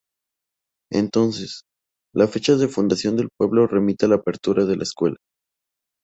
Entonces, la fecha de fundación del pueblo remite a la apertura de la escuela.